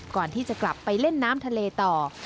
ก่อนที่จะกลับไปเล่นน้ำทะเลต่อ